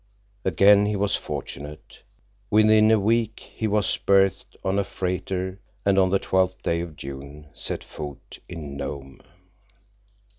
Again he was fortunate. Within a week he was berthed on a freighter, and on the twelfth day of June set foot in Nome.